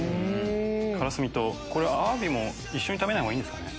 カラスミとアワビ一緒に食べないほうがいいんですかね？